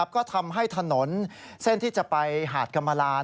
ก็ทำให้ถนนเส้นที่จะไปหาดกรรมลาน